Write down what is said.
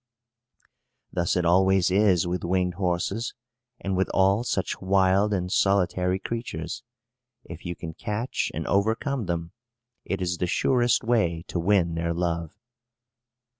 Thus it always is with winged horses, and with all such wild and solitary creatures. If you can catch and overcome them, it is the surest way to win their love.